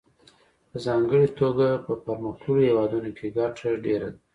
په ځانګړې توګه په پرمختللو هېوادونو کې ګټه ډېره ده